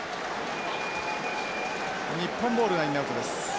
日本ボールラインアウトです。